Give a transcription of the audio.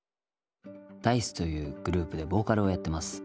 Ｄａ−ｉＣＥというグループでボーカルをやってます。